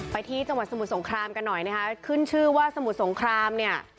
ไปที่จังหวัดสมุทรสงครามกันหน่อยนะคะขึ้นชื่อว่าสมุทรสงครามเนี่ย